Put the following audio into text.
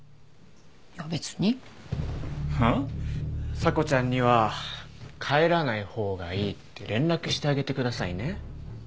査子ちゃんには帰らない方がいいって連絡してあげてくださいね。